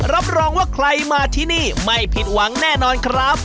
รับรองว่าใครมาที่นี่ไม่ผิดหวังแน่นอนครับ